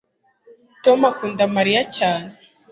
Tom akunda Mariya cyane